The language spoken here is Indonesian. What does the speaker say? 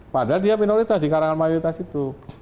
padahal dia minoritas di kalangan mayoritas itu